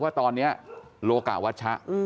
ว่าตอนนี้โลกะวัชชะ